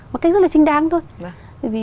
một cách rất là xinh đáng thôi